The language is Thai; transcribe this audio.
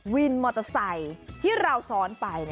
วินมอเตอร์ไซค์ที่เราซ้อนไป